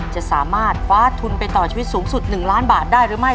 จะสามารถคว้าทุนไปต่อชีวิตสูงสุด๑ล้านบาทได้หรือไม่